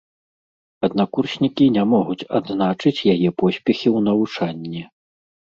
Аднакурснікі не могуць адзначыць яе поспехі ў навучанні.